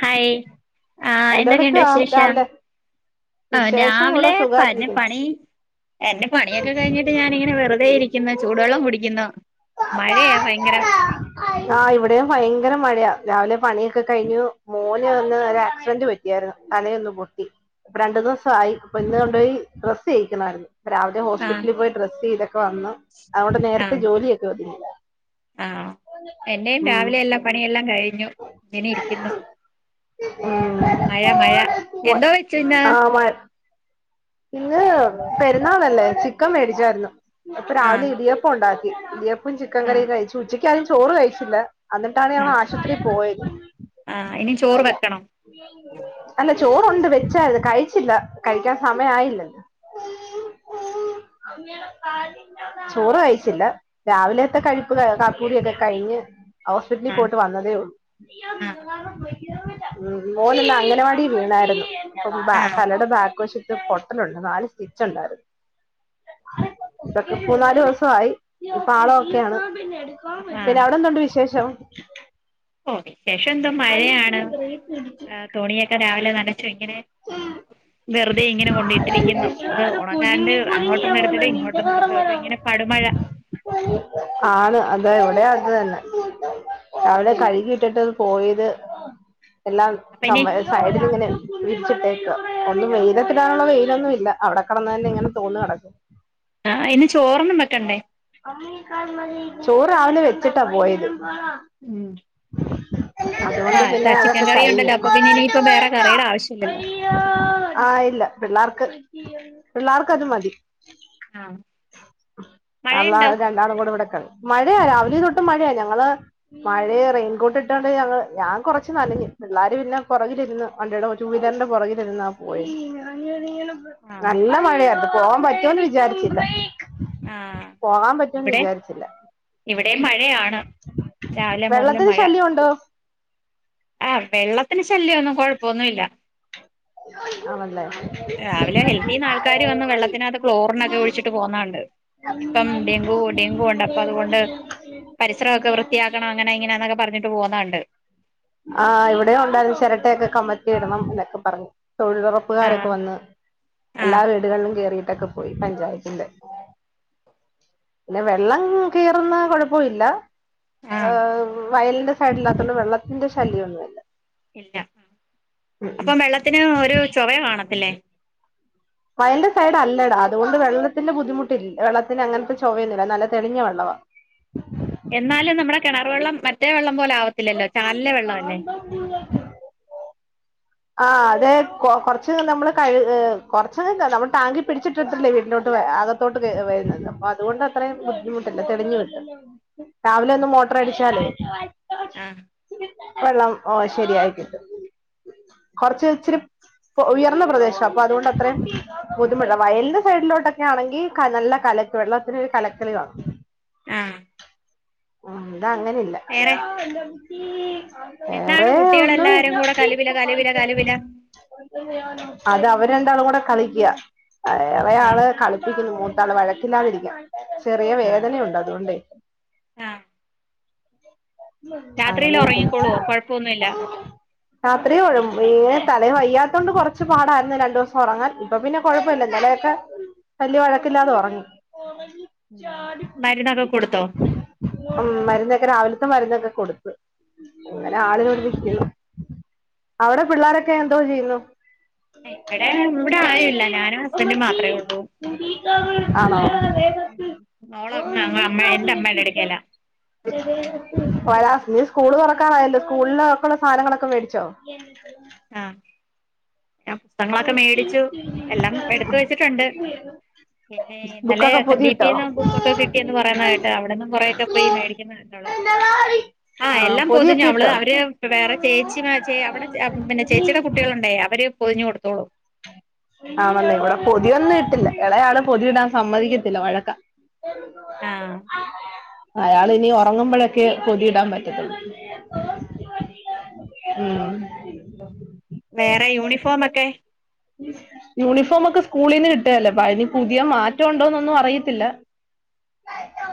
Hi, ആ എന്തൊക്കെണ്ട് എന്തെടുക്കാ വിശേഷം? രാവിലെ ഓ വിശേഷം ഇവിടെ രാവിലേ പന് സുഖായിട്ടിരിക്കുന്നു പണി എന്റെ പണിയൊക്കെ കഴിഞ്ഞിട്ട് ഞാനിങ്ങനെ വെറ്തേ ഇരിക്ക്ന്ന്, ചൂട് വെള്ളം കുടിക്കുന്നു. മഴയാ ഭയങ്കരം ആ ഇവിടേം ഭയങ്കര മഴയാ. രാവിലെ പണിയൊക്കെ കഴിഞ്ഞു. മോന് ഒന്ന് ഒര് ആക്സിഡന്റ് പറ്റി. [unintelligible] തലയൊന്ന് പൊട്ടി. ഇപ്പ രണ്ടു ദിവസമായി, ഇപ്പൊ ഇന്ന് കൊണ്ടോയി ഡ്രസ്സെയ്യിക്കണായിരുന്നു. രാവിലെ ആഹ് ഹോസ്പിറ്റ്ലി പോയി ഡ്രസ്സെയ്തൊക്കെ വന്നു. അതുകൊണ്ട് നേരത്തെ ആഹ് ജോലിയൊക്കെ ഒതുങ്ങി. ആഹ്, എന്റെയും ഉം രാവിലെ എല്ലാ പണിയെല്ലാം കഴിഞ്ഞു, ങ്ങനെ ഇരിക്കുന്നു. ഉം മയ, മയ. എന്തോ വെച്ചു ഇന്ന്? ആഹ് മഴ ഇന്ന്... പെരുന്നാളല്ലേ.. ചിക്കൻ മേടിച്ചാര്ന്നു. അപ്പൊ ആഹ് രാവിലെ ഇടിയപ്പൊ ഒണ്ടാക്കി. ഇടിയപ് പ്പും ചിക്കൻ ആഹ് കറിയും കഴിച്ചു. ഉച്ചയ്ക്ക് ആരും ചോറ് കഴിച്ചില്ല. അന്നിട്ടാണ് ഞങ്ങൾ ആഹ് ആശുപത്രീ പോയത്. ആഹ് ഇനി ചോറ് വെക്കണോ അല്ല ചോറ് ഒണ്ട് വെ [unintelligible] കയിച്ചില്ല, കയിക്കാൻ സമയായില്ലല്ലോ. ചോറ് കഴിച്ചില്ല. രാവിലേത്തെ കയിപ്പ് കാപ്പികുടി ഒക്കെ കഴിഞ്ഞ് ഹോസ്പിറ്റലി ആഹ് പോയിട്ട് വന്നതേ ഒള്ളൂ. ആഹ് [unintelligible] മ് മോന് ന്ന് അംഗനവാടീ വീണാര്ന്നു. പ്പൊ ഭാ ആഹ് തലെടെ ബാക്ക് വശ പൊട്ടലുണ്ട്, നാല് സ്റ്റിച്ചുണ്ടായിരുന്നു. തൊക്കെ പൂന്നാല് ദിവ്സായി. ഇപ്പാളോക്കെയാണ്. പിന്നെ ആഹ് അവടെന്തുണ്ട് വിശേഷം? ഷം എന്തൊ മഴയാണ്, ഏ തുണിയൊക്കെ രാവിലെ നനച്ചു ഇങ്ങനെ ഉം. വെറുതെ ഇങ്ങന കൊണ്ട് ഇട്ടിരിക്കുന്നു. അത് ഒണങ്ങാണ്ട് അങ്ങോട്ടൊന്നെടുത്തിടും, ഇങ്ങോട്ടൊന്നെടുത്ത് വെക്കും. അപ്പോ ഇങ്ങനെ മഴ ആണ് അതെ. ഇവ്ടേം അത് തന്നെ. രാവിലെ കഴുകി ഇട്ടിട്ട് അത് പോയത് എല്ലാം അപ്പൊ ഇനി ചൊമ സൈഡിലിങ്ങനെ വിരിച്ചിട്ടേക്ക, ഒന്നും വെയിലത്തിടാനുള്ള വെയിലൊന്നും ല്ല. അവിടെ കെടന്നന്നെ ഇങ്ങനെ തോന്നു കെടക്കും. ആ ഇനി ചോറൊന്നും വെക്കണ്ടേ? ചോറ് രാവിലെ വെച്ചിട്ടാ പോയത്. ഉം അതുകൊണ്ട് ആഹ് പിന്നെ ക ചിക്കൻ അതൊക്കെ കഴിഞ്ഞു കറിയുണ്ടല്ലോ, അപ്പൊ പിന്നെ ഇനിയിപ്പ വേറെ കറിയിടെ ആവശ്യം ഇല്ലല്ലോ? ആ ഇല്ല. പിള്ളാർക്ക് പിള്ളാർക്കത് മതി. ആ അള്ളാ മഴയുണ്ടോ രണ്ടാളും കൂടെ വ്ടെ മഴയാ രാവിലേ തൊട്ട് മഴയാ, ഞങ്ങള് മഴേ റെയിൻകോട്ടിട്ടാണ്ട് ഞങ്ങള് ഞാൻ കൊറച്ച് നന പിള്ളാര് പിന്നെ പൊറകിലിര്ന്ന് വണ്ടിടെ ടൂവീലർന്റെ പൊറകിലിര്ന്നാ പോയത്. ആ നല്ല മഴയായ്രുന്നു. പോവാൻ പറ്റൂന്ന് വിചാരിച്ചില്ല. ആ പോകാൻ പറ്റൂന്ന് ഇവിടെ വിചാരിച്ചില്ല. ഇവിടെയും മഴയാണ്. രാവിലെ മൊതല് വെള്ളത്തിന് മഴ. ശല്യം ഉണ്ടോ ആ വെള്ളത്തിന് ശല്യൊന്നും കൊഴപ്പൊന്നുഇല്ല. [unintelligible] രാവിലെ ഹെൽത്തീന്ന് ആൾക്കാര് വന്ന് വെള്ളത്തിനാത്ത് ക്ളോറിനൊക്കെ ഒഴിച്ചിട്ട് പോവുന്നകണ്ട്. ഇപ്പം ഡെങ്കു ഡെങ്കു ഒണ്ട്. അപ്പൊ അതുകൊണ്ട് പരിസരൊഒക്കെ വൃത്തിയാക്കണം അങ്ങനെ ഇങ്ങനാന്നൊക്കെ പറ ന്നിട്ട് പോക്‌ന്നകണ്ട്. ആഹ് ഇവിടെ ഒണ്ടായിര്ന്ന് ചെരട്ടയൊക്കെ കമത്തി ഇടണം എന്നൊക്കെ പറഞ്ഞ് തൊഴിലൊറപ്പ്കാരൊക്കെ ആഹ് വന്ന് എല്ലാ ആഹ് വീടുകളിലും കേറി ട്ടെക്കെ പോയി പഞ്ചായത്തിന്റെ ന്നെ വെള്ളം കേറുന്ന കൊഴപ്പൊല്ല ഏ ആഹ് ഹ് വയലിന്റെ സൈഡല്ലാത്തോണ്ട് വെള്ളത്തിന്റെ ശല്ല്യോന്നുല്ല. ഇല്ല അപ്പൊ വെള്ളത്തിന് ഒരു ചൊവയാ കാണത്തില്ലേ? മയന്റെ സൈഡ് അല്ലടാ, അതുകൊണ്ട് വെള്ളത്തിന്റെ ബുദ്ധിമുട്ടില്ല. വെള്ളത്തിന് അങ്ങനത്തെ ചുവയൊന്നുല്ല നല്ല തെളിഞ്ഞ വെള്ളവാ. ഉ [unintelligible] എന്നാലും നമ്മുടെ കിണർ വെള്ളം മറ്റേ വെള്ളം പോലെ ആവത്തില്ലല്ലോ ചാലിലെ വെള്ളം അല്ലേ. ആ അതെ കൊ കുറച്ച് നമ്മള് കൈ ഏ കൊറച് ന്നലാ നമ്മൾ ടാങ്കിൽ പിടിച്ചിട്ടിട്ടല്ലെ വീട്ടിലോട്ടു വ അകത്തോട്ട് വരുന്നത് അപ്പോ അതുകൊണ്ടത്രയും ബുദ്ധിമുട്ട്. അല്ല തെളിഞ്ഞ് വിട്ട് രാവിലെ ഒന്ന് മോട്ടർ അടിച്ചല് ആഹ് വെള്ളം ഓ ശരിയായി കിട്ടും കൊറച്ച് ഇച്ചിരി ഉയർന്ന ഉയർന്ന പ്രദേശം അപ്പൊ അതുകൊണ്ട് അത്രയും [unintelligible] വയലിൻ്റെ സൈഡിലോട്ടൊക്കെ ആണെങ്കിൽ കന നല്ല കല വെള്ളത്തിന് ഒരു കലക്കല് കാണും ആഹ് ഉം. അത് അങ്ങനെല്ല. വേറെ എന്താണ് വേറെ ഒന്ന് കുട്ടികളെല്ലാരും കൂടെ കലുവില കലുവില കലുവില അത രണ്ടാളും കൂടെ കളിക്കുക ആഹ് ഇളയആള് കളിപ്പിക്കുന്നു മൂത്താള് വഴക്കില്ലാതിരിക്കാ. ചെറിയ ആഹ് വേദനുണ്ട് അതുകൊണ്ടേ. ആഹ് രാത്രിയിൽ അങ്ങനെയക്കെന്നും. ഉറങ്ങിക്കോളുവോ കൊഴപ്പൊന്നുല്ല രാത്രി [unintelligible] ഈ തലവയോത്തൊണ്ട് കൊണ്ട് കുറച്ച് പാടായിരുന്നു രണ്ടു ദിവസം ഉറങ്ങാൻ ഇപ്പൊ പിന്നെ കുഴപ്പമില്ല ഞാ ഇന്നലെക്കെ വല്യ വഴക്കില്ലാതെ ഉറങ്ങും. മരുന്നൊക്കെ കൊടുത്തോ ഉം മരുന്നൊക്കെ രാവില ഇന്നത്തെ മരുന്നൊക്കെ കൊടുത്ത് അങ്ങനെ ആള് ഇവടെരിക്കിന്നു. അവിടെ പിള്ളോരൊക്കെ എന്തോ ചെയ്യുന്നു? ഇവിടെ ഇവിടെ ആരുല്ല ഞാനും ഹസ്ബൻഡും ഉമ്മച്ചിേ മാത്രേ ഉള്ളൂ [unintelligible] ആണോ? ഓ മോളങ്ങ് നീക്ക അമ്മ ആ എന്റെ അമ്മയുടെ ഇത്തിച്ച അടുക്കലാ [unintelligible] [unintelligible] നീ സ്കൂള് തുറക്കാനായല്ലോ സ്കൂളില ഒക്കെയുള്ള സാധനങ്ങളൊക്കെ മേടിച്ചോ? ആഹ് പുസ്തകങ്ങളൊക്കെ മേടിച്ചു എല്ലാം എടുത്ത വെച്ചിട്ടുണ്ട്. പിന്നെ ഇന്നലെ ബുക്കൊക്കെ എസ് എൻ ഡി പി പൊതിയിട്ടോ ന്ന് ബുക്കൊക്കെ കിട്ടിന്ന് പറയുന്ന കേട്ട്. അവിടന്നും കുറേക്കെ പോയി മേടിക്കുന്ന കണ്ട് അവള്. ര [unintelligible] ആ എല്ലാം പൊതിഞ്ഞു അവള്, അവര്, വേറെ ചേച്ചിമാർ, ചെ, അവിടെ പിന്നെ ചേച്ചിട കുട്ട്യളുണ്ടേ അവര് പൊതിഞ്ഞു കൊടുത്തോളും. ആണല്ലേ ഇവിടെ പൊതിയൊന്നും ഇട്ടില്ല. എളെആള് പൊതി ഇടാൻ സമ്മതിക്കത്തില്ല. വഴക്ക ആഹ് അയാൾ ഇനി ഒറങ്ങുമ്പോഴൊക്കെ പൊതിയിടാൻ പറ്റത്തുള്ളൂ. ഉം. വേറെ യൂണിഫോമൊക്കെ യൂണിഫോമൊക്കെ സ്കൂളീന്ന് കിട്ടുഅല്ലോ. ഇപ്പം അതിനി പുതിയ മാറ്റംഉണ്ടോന്നൊന്നും അറിയത്തില്ല.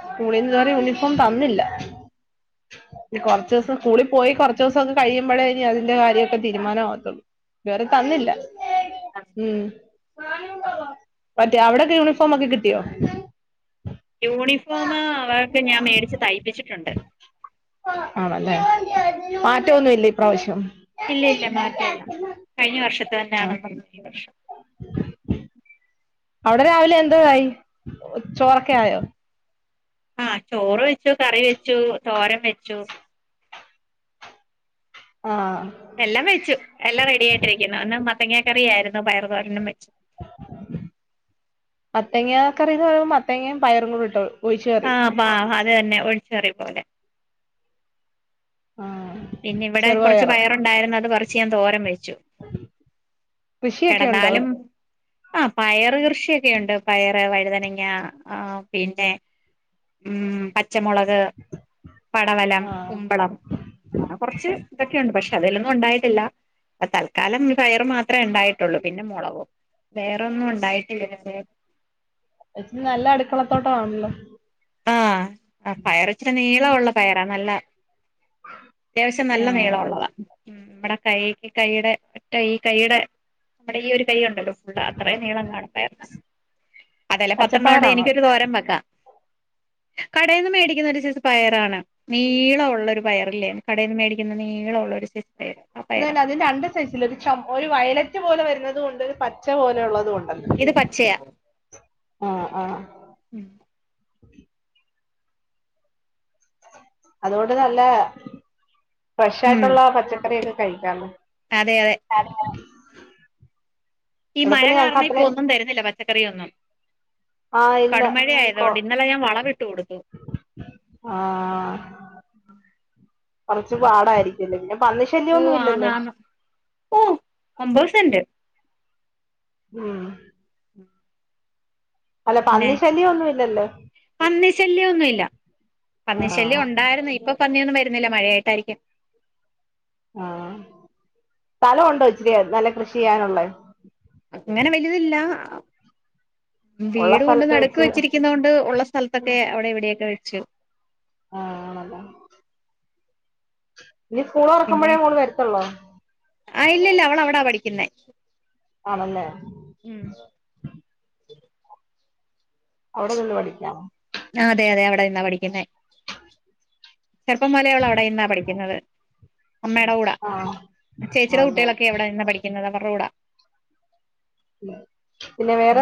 സ്കൂളീന്ന് ഇതുവരെ യൂണിഫോം തന്നില്ല. ഇനി കൊറച്സം സ്കൂളി പോയി കൊറച്സം കഴിയുമ്പഴേ ഇനി അതിന്റെ കാര്യൊക്കെ തീരുമാനം ആകത്തുള്ളൂ. വേറെ തന്നില്ല. ഉം. മറ്റേ അവിടൊക്കെ യൂണിഫോമൊക്കെ കിട്ടിയോ? യൂണിഫോമ് അവർക്ക് ഞാൻ മേടിച്ച് തയ്പ്പിച്ചിട്ടുണ്ട്. ആണല്ലെ മാറ്റൊന്നുല്ലെ ഈ പ്രാവശ്യം? ഇല്ല ഇല്ല മാറ്റല്ല കഴിഞ്ഞ വർഷത്തെ ആഹ് തന്നെയാണുള്ളത്. [unintelligible] അവിടെ രാവിലെ എന്തോയി ചോറൊക്കെ ആയോ ആഹ ചോറ് വെച്ചു കറി വെച്ചു തോരം വെച്ചു ആഹ് എല്ലാം വെച്ചു എല്ലാം റെഡി ആയിട്ടിരിക്കുന്നു. ഇന്ന് മത്തങ്ങക്കറി ആയിരുന്നു. പയർ തോരനും വെച്ചു. മത്തങ്ങ കറിന്നു പറയുമ്പ മത്തങ്ങ പയറും കൂടി ഇട്ട് ഒഴിച്ച് ആ കയറി. പാ അത് തന്നെ ഒഴിച്ചകറി പോലെ. ആഹ് പിന്നെ ഇവിടെ കൊറച്ച് ചെറുപയറോ പയറുണ്ടായിരുന്നത് പറിച്ച് ഞാൻ തോരം വെ ച്ചു കൃഷിയൊക്കെ ഉണ്ടോ കെടന്നാലും ആ പയറ് കൃഷിയൊക്കെുണ്ട്. പയറ്, വഴുതനങ്ങ, ആ പിന്നെ ഉം പച്ചമുളക് പടവലം ആഹ് കുമ്പളം ആ കൊറച്ച് ഇതൊക്കെയുണ്ട് പക്ഷെ അതിലൊന്നും ഉണ്ടായിട്ടില്ല തൽക്കാലം പയറ് മാത്രമേ ഉണ്ടായിട്ടുള്ളൂ പിന്നെ മുളകും വേറൊന്നും ഉണ്ടായിട്ടില്ലേനിപയ് [unintelligible] നല്ല അടുക്കളത്തോട്ടാണല്ലോ ആഹ് അ പയർ ഇച്ചിരി നീളമുള്ള പയറാ നല്ല അത്യാവശ്യം നല്ല നീളം ആഹ് ഉള്ളതാ ഉം മ്മടെ കൈക്ക് കൈയുടെ ഒറ്റ ഈ കൈയുടെ മ്മടെ ഈ ഒരു തൈയുണ്ടല്ലോ ഫുള് അത്രയും നീളം കാണ പയറിന് അതെല്ലെ പത്തെണ്ണോണ്ട് പച്ചപ്പയറാണോ എനിക്കൊരു തോരം വെക്കാം [inaudible] കടേന്ന് മേടിക്കുന്ന ഒരു സൈസ് പയറാണ് നീള ഉള്ളൊരു പയറ്ല്ലേ കടേന്ന് മേടിക്കുന്ന നീള ഉള്ളൊരു സൈ അതന്നെ അത് രണ്ട് സൈസില് ഒരു വയലറ്റ് പോലെ വരുന്നതുണ്ട് ഒരു പച്ച പോലെ ഉള്ളതു ണ്ട് ഇത് പച്ചയാ ആ ആ അതോണ്ട് നല്ല ഉം ഫ്രഷയിട്ട്ള്ള പച്ചക്കറിയൊക്കെ കഴിക്ക അതെ ഈ മഴ ഞങ്ങക്ക് കാരണം അത്ര ഇപ്പോന്നും തരുന്നില്ല പച്ചക്കറിയൊന്നും ആഹ് ഇല്ല കടുമഴ ആയതൊണ്ട് ഇന്നലെ ഞാൻ വളവിട്ട് കൊടുത്തു ആ കൊറച്ച് പാടായിരിക്കില്ലേഞ്ഞു പന്നി ഓ ആന്ന് ശല്ല്യാന്നുല്ലല്ലോ ആന്ന് ഓ ഒമ്പത് സെന്റ് ഉം ഉം [unintelligible] അല്ല പന്നിശല്ല്യാന്നുല്ലാല് പന്നിശല്ല്യന്നു ഇല്ല പന്നിശല്യം ആഹ് ഉണ്ടായിരുന്നു ഇപ്പൊ പന്നിന്നും വരുന്നില്ല മഴയായിട്ടായിരിക്കും ആ സ്ഥല ഉണ്ടോ ഇച്ചരി നല്ല കൃഷിയ്യാനുള്ളേ അങ്ങനെ വല്തല്ല ഉള്ള വീട് കൊണ്ട് സ്ഥലത്ത് നട്ക്ക് വെച്ച് വെച്ചിരിക്കുന്നൊണ്ട് ഉള്ള സ്ഥലത്തൊക്കെ അവിടെ ഇവിടെയൊക്കെ വെച്ചു ആ ആണല്ലേ ഇനി സ്കൂൾ പിന്നെ തോറക്കുമ്പോഴേ ഇങ്ങട്ട് വരത്തൊള്ളോ ആ ഇല്ലല്ല അവള അവിടാ പഠിക്കുന്നെ ആണല്ലേ ഉം [inaudible] അവിടെ നിന്ന് പഠിക്കാം അതെ അതെ അവിടെ നിന്നാ പഠിക്കുന്നേ ചെറുപ്പം മുതലെ അവിടെ നിന്നാ പഠിക്കുന്നത് അമ്മയുടെ കൂടെ ആഹ് ചേച്ചിയുടെ ആണല്ലേ കുട്ടികളൊക്കെ അവിടെ നിന്നാ പഠിക്കുന്നത് അവര്ടെ കൂടാ ഉം ഉം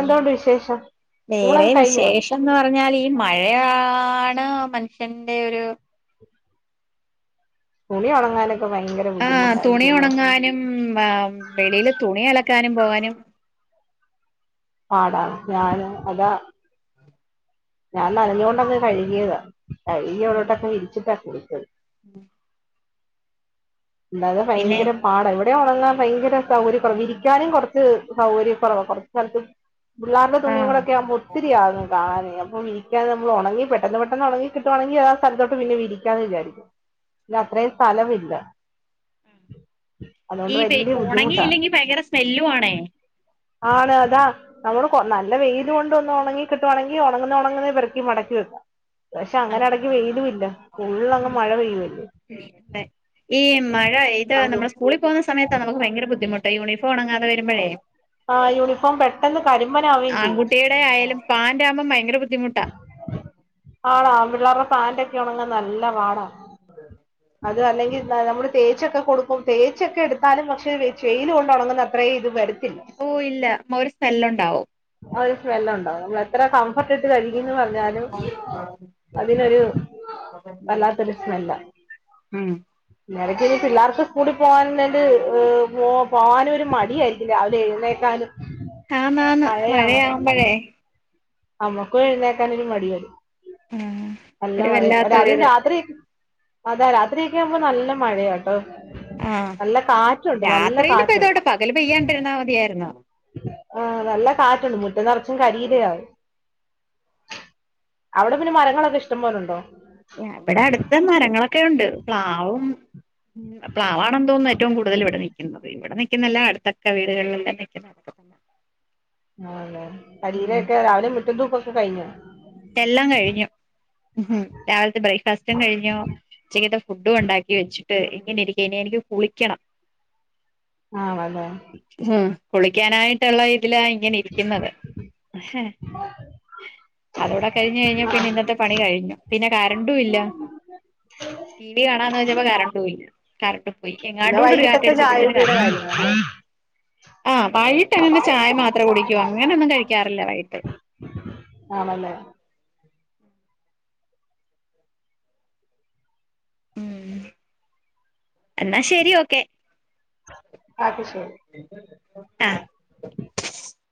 വേറെ ഊണൊക്കെ കഴിഞ്ഞോ വിശേഷന്ന് പറഞ്ഞാല് ഈ മഴയാ ആണ് മനുഷ്യന്റോരു തുണി ഒണങ്ങാനെ ആ തുണി ഒണങ്ങാനും വെളിയില് തുണി അലക്കാനും പോകാനും പാടാണ് ഞാന് അതാ ഞാൻ നനഞ്ഞോണ്ടങ്ങ് കഴ്കിയതാ കഴുകി അവിടോട്ടൊക്കെ വിരിച്ചിട്ടാ കുളിച്ചത് ഉം അല്ലാതെ പിന്നെ ഭയങ്കര പാട ഇവ ടെ ഒണങ്ങാൻ ഭയങ്കര സൗകര്യം കൊറവ് വിരിക്കാനും കൊറച്ച് സൗകര്യ കൊറവ് കൊറച്ച് സ്ഥലത്ത് പിള്ളേര്ടെ തുണിയു ആഹ് കൂടെക്കെ ആകുമ്പോ ഒത്തിരിയാകു കാണാനെ ന വിരിക്കാൻ നമ്മള് ഒണങ്ങി പെട്ടെന്ന് പെട്ടെന്ന് ഒണങ്ങി കിട്ടുവാണെങ്കി അത് ആ സ്ഥലത്തോട്ട് പിന്നെ വിരിക്കാന്ന് വിചാരിക്കും ഇത് അത്രയും സ്ഥലമില്ല ഈ അതുകൊണ്ട് വലിയ ബുദ്ധിമുട്ടാ ഉണങ്ങിയില്ലെങ്കി ഭയങ്കര സ്മെല്ലു ആണേ. ആണ് അതാ നമ്മള് കൊ നല്ല വെയിലോണ്ട് ഒന്നു ഒണങ്ങി കിട്ടുവാണങ്കി ഒണങ്ങുന്ന ഒണങ്ങുന്ന പെറുക്കി മടക്കി [unintelligible] പക്ഷെ, അങ്ങനെ എടക്ക് വെയിലൂല്ല. ഫുള്ള് അങ്ങ് ഉം മഴ പെയ്യുവല്ലേ അതെ ഈ മഴ ഇത് അതും നമ്മള് സ്കൂളിൽ പോണ് സമയത്താ നമ്മക്ക് ഭയങ്ക ബുദ്ധിമുട്ട് യൂണിഫോം ഒണങ്ങാതെ വരുമ്പൊഴേ ആ യൂണിഫോം പെട്ടെന്ന് കരിം ആൺകുട്ടീടെ ആയാലും പാന്റ് ആവുമ്പോ ഭയങ്കര ബു ആടാ ആൺപിള്ളേരെ പാന്റ്യൊക്കെ ഒ ണങ്ങ നല്ല പാടാ മ്അതെ അത് അല്ലെങ്കിൽ നാ നമ്മള് തേച്ചൊക്കെ കൊടുക്കും തേച്ചൊക്കെ ടുത്താലും പക്ഷെ, [unintelligible] കൊണ്ട് ഒ ണങ്ങുന്ന അത്രേം ഇത് വരത്തില്ല. ഓ ഇല്ല ഒരു സ്മെല്ലുണ്ടാവും ആ ഒരു സ്മെല്ല്ണ്ടാവും മ്മള് എത്ര കംഫർട്ട് ഇട്ട് കഴികീന്ന് പറഞ്ഞാലും അതിനൊരു വല്ലാത്തൊരു സ്മെല്ലാ. ഉും എടക്ക് ഈ പിള്ളാർക്ക് സ്കൂളിൽ പോകാൻല്ത് പൊ പോവനൊരു മടിയേയിരിക്കും രാവിലെ എഴുന്നേക്കാ ന് ആന്നാന്ന് മഴയാവുമ്പൊഴേ നമ്മക്കും എഴുന്നേക്കാനൊരു മടിയായി ആഹ് നല്ല ഒരു മഴയും അതും വല്ലാത്തൊരിത് രാത്രി- അതെ രാത്രി ഒക്കെ യാവുമ്പോ നല്ല മഴയാട്ടോ ആ നല്ല കാറ്റുണ്ട് നല്ല രാത്രില് കാറ്റുണ്ട് പെയ്തോട്ടെ പകല് പെയ്യാൻടിരുന്ന മതിയാര്ന്നു. ആ നല്ല കാറ്റുണ്ട് മുറ്റം നറച്ചും കരിലയാവും അവടെ പിന്നെ മരങ്ങളൊക്കെ ഇഷ്ടംപോലൊണ്ടോ? ഞാ ഇവിടെ അടുത്ത് മരങ്ങളൊക്കെ യുണ്ട്. പ്ലാവും പ്ലാവ്വാണ് തോന്ന് ഏറ്റും കൂടുതൽ ഇവിടെ നിക്ക്ന്നത്. ഇവിടെ നിക്ക്ന്നെല്ല അടുത്തടുത്ത വീടുകളെല്ലാം നിക്കുന്നെത്. അഹ ആണ്ലെ അല്ലെക്കെ രാവിലെരു മുറ്റം തൂക്കൊക്കെ കഴിഞ്ഞോ? എല്ലാം കഴിഞ്ഞു. ഹു് ഹും രാവിലത്തെ ബ്രേക്ക്ഫാസ്റ്റും കഴിഞ്ഞു. ഉച്ചക്കെത്തെ ഫുഡും ഉണ്ടാക്കി വെച്ചിട്ട് ഇങ്ങനെ ഇരിക്ക നി എനിക്ക് കുളിക്കണം. ആ വല്ലേ കുളിക്കാനായിട്ട്ള്ള ഇതിലാ ഇങ്ങനെ ഇരിക്ക്ന്നത്. അതോടെ കഴിഞ്ഞേയ്ഞ്ഞാൽ പിന്നെ ഇന്നത്തെ പണി കഴിഞ്ഞു. പിന്നെ കരണ്ടും ഇല്ല. ടി. വി. കാണാന്ന് വെച്ചപ്പോ കരണ്ടും ഇല്ല. കറണ്ടും വയ് പിന്നെ യങ്ങാടൂട് ഒരു കാറ്റ വൈകിട്ടത്തെ ചായ ടിച്ചപ്പോഴ്ത്തന് കുടിയുടെ കരണ്ട് കാര്യങ്ങളല്ലേ ആ വൈയിട്ട്ങ്ങനെ ചായ മാത്രേ കുടിക്കൂ. അങ്ങനെ ഒന്നും കഴിക്കാറില്ല വൈയ്ട്ട്. ആണല്ലേ. ഉം എന്നാ ശരി ഓക്കെ. അപ്പൊ ശ് ആ [inaudible]